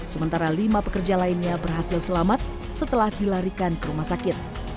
sementara lima pekerja lainnya berhasil selamat setelah dilarikan ke rumah sakit